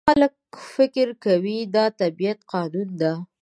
خلک فکر کوي دا د طبیعت قانون دی.